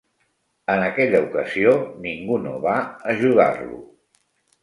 En aquella ocasió, ningú no va ajudar-lo.